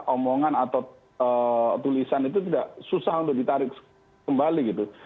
omongan atau tulisan itu tidak susah untuk ditarik kembali gitu